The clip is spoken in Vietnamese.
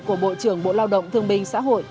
của bộ trưởng bộ lao động thương binh xã hội